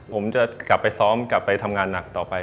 ผมจะกลับไปซ้อมกลับไปทำงานหนักต่อไป